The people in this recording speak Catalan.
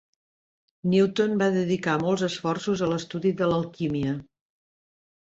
Newton va dedicar molts esforços a l’estudi de l’alquímia.